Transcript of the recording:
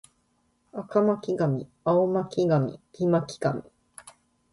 赤巻上青巻紙黄巻紙